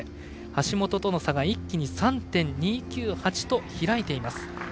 橋本との差が一気に３．２９８と開いています。